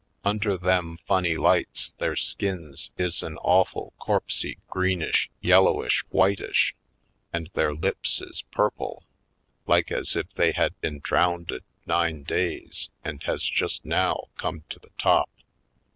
Under them funny lights their skins is an awful corpsy greenish yellowish whitish and their lips is purple, like as if they has been drownded nine days and has just now come to the top.